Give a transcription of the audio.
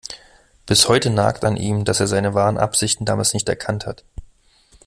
Bis heute nagt an ihm, dass er seine wahren Absichten damals nicht erkannt hat.